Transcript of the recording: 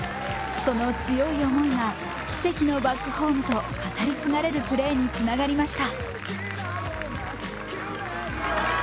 その強い思いが奇跡のバックホームと語り継がれるプレーにつながりました。